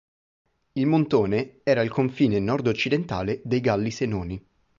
Il Montone era il confine nord-occidentale dei Galli Senoni.